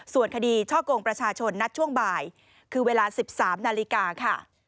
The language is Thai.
ส่วนคดีช่อกงประชาชนนัดช่วงบ่ายคือเวลา๑๓นาฬิกาค่ะ